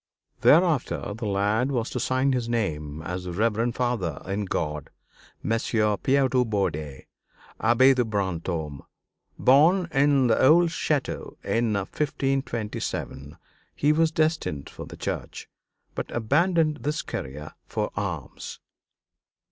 Thereafter the lad was to sign his name as the Reverend Father in God, Messire Pierre de Bourdeille, Abbé de Brantôme. Born in the old château in 1527, he was destined for the church, but abandoned this career for arms.